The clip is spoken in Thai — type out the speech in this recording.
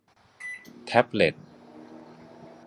แท็บเลต